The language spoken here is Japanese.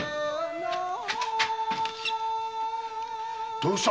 どうした？